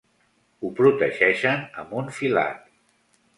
Ho protegeixen amb un filat.